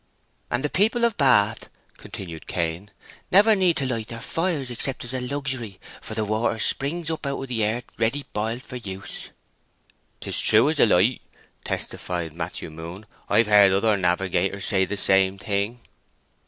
"And the people of Bath," continued Cain, "never need to light their fires except as a luxury, for the water springs up out of the earth ready boiled for use." "'Tis true as the light," testified Matthew Moon. "I've heard other navigators say the same thing."